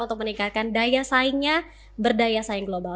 untuk meningkatkan daya saingnya berdaya saing global